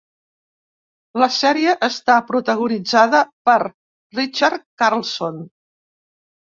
La sèrie està protagonitzada per Richard Carlson.